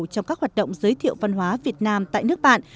trong các hoạt động giới thiệu văn hóa việt nam tại nước bạn